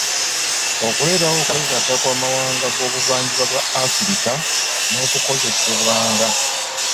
Okuleetawo okwegatta kw'amawanga g'obuvanjuba bwa Afrika n'okukozesebwanga.